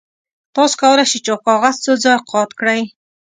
تاسو کولی شئ چې کاغذ څو ځایه قات کړئ.